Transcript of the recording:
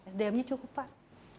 sdm nya cukup pak